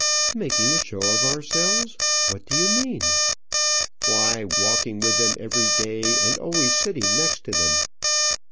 "Making a show of ourselves! What do you mean?" "Why, walking with them every day, and always sitting next to them."